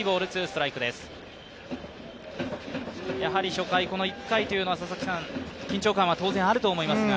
初回、１回というのは緊張感というのは当然あると思いますが。